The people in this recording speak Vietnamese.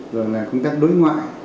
rồi là công tác đối ngoại